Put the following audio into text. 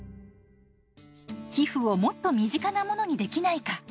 寄付をもっと身近なものにできないか？